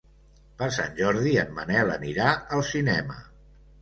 Per Sant Jordi en Manel anirà al cinema.